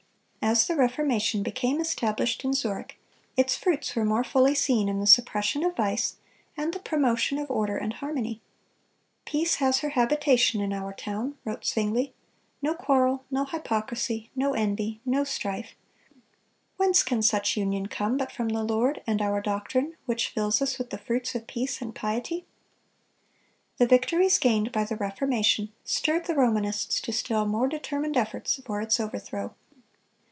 As the Reformation became established in Zurich, its fruits were more fully seen in the suppression of vice, and the promotion of order and harmony. "Peace has her habitation in our town," wrote Zwingle; "no quarrel, no hypocrisy, no envy, no strife. Whence can such union come but from the Lord, and our doctrine, which fills us with the fruits of peace and piety?"(259) The victories gained by the Reformation stirred the Romanists to still more determined efforts for its overthrow.